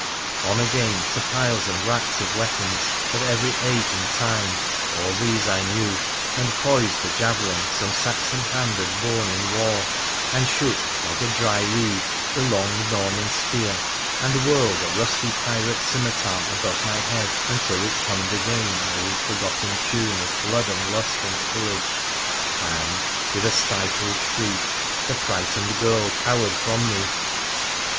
On again, to piles and racks of weapons of every age and time : all these I knew, and poised the javelin some Saxon hand had borne in war, and shook, like a dry reed, the long Norman spear, and whirled a rusty pirate scimitar above my head until it hummed again an old forgotten tune of blood and lust and pillage, and, with a stifled shriek, the frightened girl cowered from me.